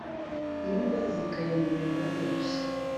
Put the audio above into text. imbwa zikayanywera ubusa